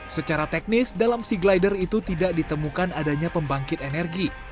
secara teknis dalam sea glider itu tidak ditemukan adanya pembangkit energi